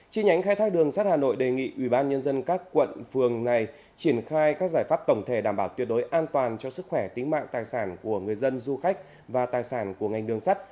trên nhánh khai thác đường sắt hà nội đề nghị ubnd các quận phường này triển khai các giải pháp tổng thể đảm bảo tuyệt đối an toàn cho sức khỏe tính mạng tài sản của người dân du khách và tài sản của ngành đường sắt